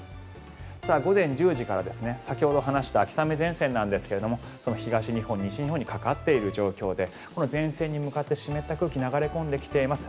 午前１０時から先ほど話した秋雨前線なんですが東日本、西日本にかかっている状況で前線に向かって湿った空気が流れ込んできています。